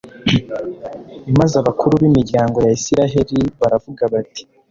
maze abakuru b'imiryango ya israheli baravuga bati